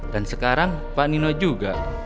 dan sekarang pak nino juga